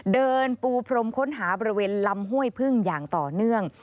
เดินปูพรมค้นหาบริเวณลำห้วยพึ่งอย่างต่อเนื่อง